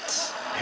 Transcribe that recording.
え？